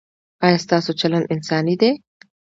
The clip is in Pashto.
ایا ستاسو چلند انساني دی؟